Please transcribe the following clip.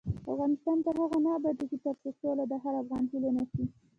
افغانستان تر هغو نه ابادیږي، ترڅو سوله د هر افغان هیله نشي.